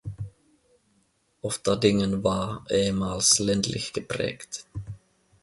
Ofterdingen war ehemals ländlich geprägt.